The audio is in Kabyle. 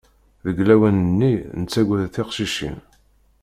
Deg lawan-nni, nettagad tiqcicin.